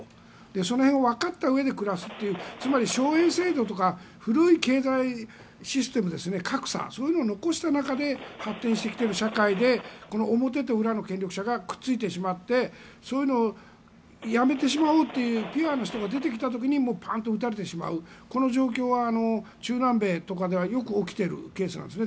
その辺をわかったうえで暮らすという古い経済システム、格差そういうのを残した中で発展してきている中で表と裏の権力者がくっついてしまってそういうのをやめてしまおうというピュアな人が出てきた時にパンと撃たれてしまうこの状況は中南米とかではよく起きているケースなんですね。